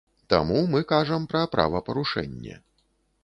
Таму мы кажам пра правапарушэнне.